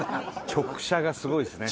直射がすごいですね。